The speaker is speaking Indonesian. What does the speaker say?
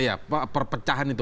ya perpecahan itu